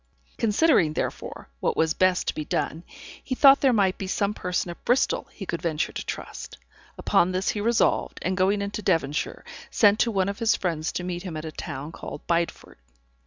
Considering, therefore, what was best to be done, he thought there might be some person at Bristol he could venture to trust. Upon this he resolved, and going into Devonshire, sent to one of his friends to meet him at a town called Bideford.